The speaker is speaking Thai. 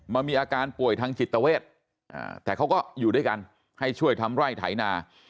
มันมีอาการป่วยทางจิตเวทแต่เขาก็อยู่ด้วยกันให้ช่วยทำไร่ไถนา